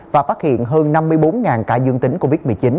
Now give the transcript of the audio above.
và phát hiện hơn năm mươi bốn ca dương tính covid một mươi chín